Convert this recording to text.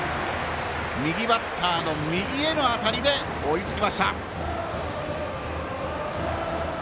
右バッターの右への当たりで追いつきました。